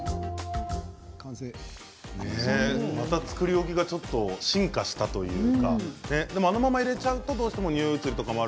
また作り置きがちょっと進化したというかでもあのまま入れちゃうとにおい移りとかも